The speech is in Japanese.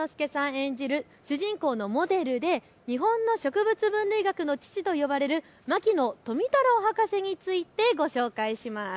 演じる主人公のモデルで日本の植物分類学の父と呼ばれる牧野富太郎博士についてご紹介します。